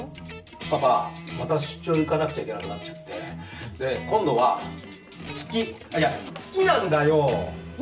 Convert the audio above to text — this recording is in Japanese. パパ、また出張に行かなくちゃいけなくなっちゃってで、今度は月あっ、いや、月なんだよ！